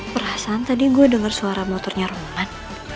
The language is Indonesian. perasaan tadi gue dengar suara motornya roman